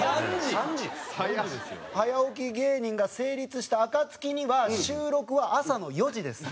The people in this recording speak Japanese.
早起き芸人が成立した暁には収録は朝の４時です。